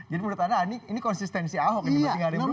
jadi menurut anda ini konsistensi ahok ini masih ada yang berubah